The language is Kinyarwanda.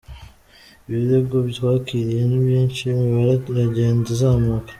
Ibirego twakiriye ni byinshi, imibare iragenda izamuka.